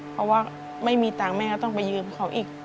เพราะว่าไม่มีตังค์แม่ก็ต้องไปยืมเขาอีก